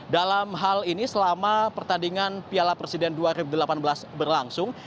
dalam hal ini selama pertandingan piala presiden dua ribu delapan belas berlangsung